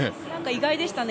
意外でしたね。